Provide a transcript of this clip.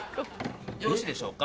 よろしいでしょうか？